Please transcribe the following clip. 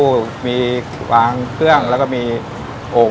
เช่นอาชีพพายเรือขายก๋วยเตี๊ยว